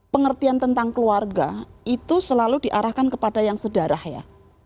pengertian tentang keluarga itu selalu diarahkan kepada yang sedarah ya